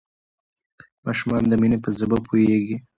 ماشومان د مینې په ژبه پوهیږي.